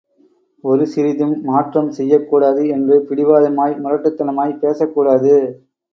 ஒரு சிறிதும் மாற்றம் செய்யக்கூடாது என்று பிடிவாதமாய் முரட்டுத்தனமாய்ப் பேசக்கூடாது.